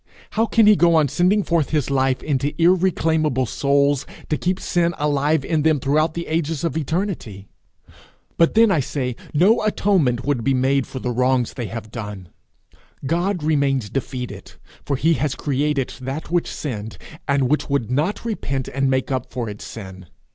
How can he go on sending forth his life into irreclaimable souls, to keep sin alive in them throughout the ages of eternity? But then, I say, no atonement would be made for the wrongs they have done; God remains defeated, for he has created that which sinned, and which would not repent and make up for its sin.